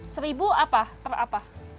seribu apa per apa